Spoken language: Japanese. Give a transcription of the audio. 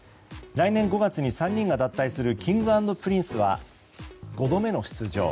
来年５月に３人が脱退するＫｉｎｇ＆Ｐｒｉｎｃｅは５度目の出場。